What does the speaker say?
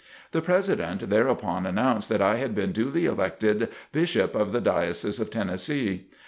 The President thereupon announced that I had been duly elected Bishop of the Diocese of Tennessee.